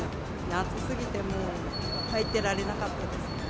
暑すぎてもう、入ってられなかったです。